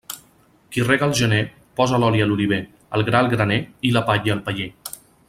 Qui rega al gener, posa l'oli a l'oliver, el gra al graner i la palla al paller.